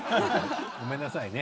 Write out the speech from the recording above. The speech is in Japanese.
ごめんなさいね。